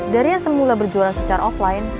dari yang semula berjual secara offline